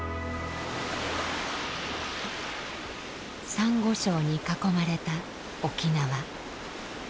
さんご礁に囲まれた沖縄。